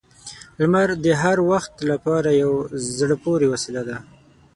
• لمر د هر وخت لپاره یو زړه پورې وسیله ده.